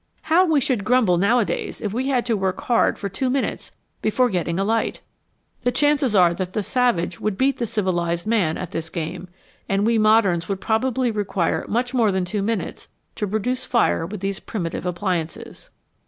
How we should grumble nowadays if we had to work hard for two minutes before getting a light ! The chances are that the savage would beat the civilised man 119 HOW FIRE IS MADE at this game, and we modems would probably require much more than two minutes to produce fire with these primitive appliances.